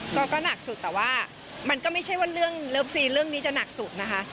ก็หนักสุดแต่ว่ามันก็ไม่ใช่ว่าเรื่องเลิฟซีเรื่องนี้จะหนักสุดนะคะ